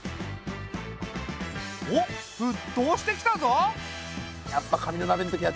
おっ沸騰してきたぞ！